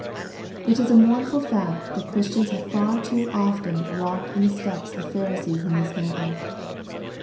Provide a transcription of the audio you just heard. It is a mournful fact, that Christians have far too often walked in the steps of Pharisees in this matter.